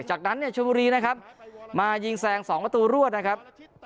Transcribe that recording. จากนั้นเนี่ยชมบุรีนะครับมายิงแซง๒ประตูรวดนะครับ